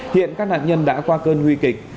hiện các nạn nhân đã qua cơn nguy kịch